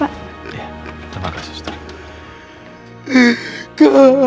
iya terima kasih ustaz